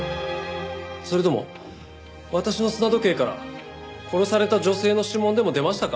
それとも私の砂時計から殺された女性の指紋でも出ましたか？